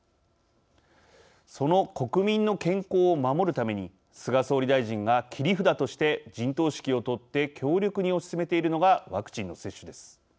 その国民の健康を守るために菅総理大臣が切り札として陣頭指揮を執って強力に推し進めているのがワクチンの接種です。